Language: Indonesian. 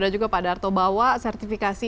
dan juga pak darto bahwa sertifikasi